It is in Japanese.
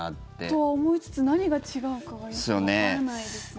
と、思いつつ何が違うかがよくわからないですね。